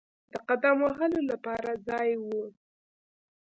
د قدم وهلو لپاره ځای وو.